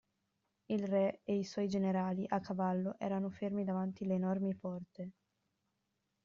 Il Re e i suoi generali, a cavallo, erano fermi davanti le enormi porte.